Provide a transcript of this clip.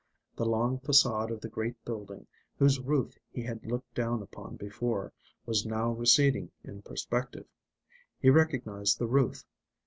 The long façade of the great building, whose roof he had looked down upon before, was now receding in perspective. He recognised the roof.